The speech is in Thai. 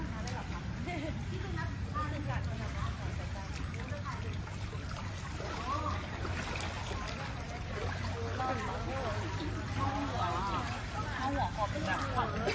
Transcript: ไม่ได้ไม่ใช่แบบนี้พี่น้ำเล่นดูนะว่าอย่าไหว้น้ำ